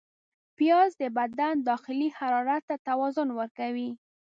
پیاز د بدن داخلي حرارت ته توازن ورکوي